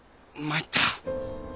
参った。